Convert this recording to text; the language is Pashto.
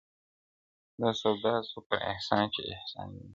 دا سودا سوه پر احسان چي احسان وینم,